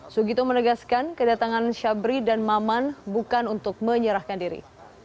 sugito menegaskan kedatangan syabri dan maman bukan untuk menyerahkan diri